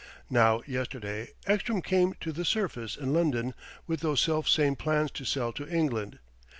Now yesterday Ekstrom came to the surface in London with those self same plans to sell to England.